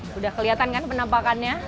sudah kelihatan kan penampakannya